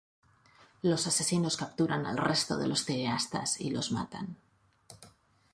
Los asesinos capturan al resto de los cineastas y los matan.